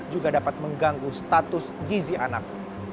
juga dapat mengganggu status gizi anak